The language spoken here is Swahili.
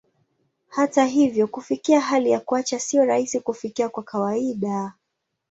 Hata hivyo, kufikia hali ya kuacha sio rahisi kufikia kwa kawaida.